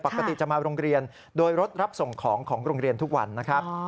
ปกติจะมาโรงเรียนโดยรถรับส่งของของโรงเรียนทุกวันนะครับ